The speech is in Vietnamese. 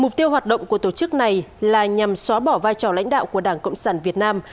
mục tiêu hoạt động của tổ chức này là nhằm xóa bỏ vai trò lãnh đạo của đảng cộng sản việt nam